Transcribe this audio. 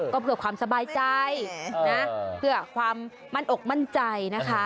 ก็เพื่อความสบายใจนะเพื่อความมั่นอกมั่นใจนะคะ